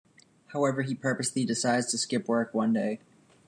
However, he purposely decides to skip work one day.